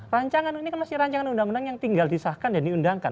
rancangan ini kan masih rancangan undang undang yang tinggal disahkan dan diundangkan